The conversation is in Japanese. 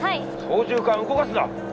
操縦かん動かすな！